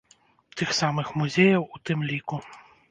Тых самых музеяў у тым ліку.